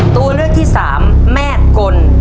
ตัวเลือกที่สามแม่กล